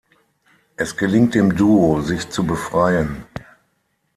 Es gelingt dem Duo, sich zu befreien.